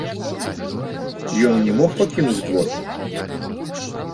Ён не мог пакінуць двор?